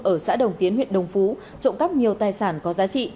ở xã đồng tiến huyện đồng phú trộm cắp nhiều tài sản có giá trị